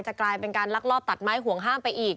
กลายเป็นการลักลอบตัดไม้ห่วงห้ามไปอีก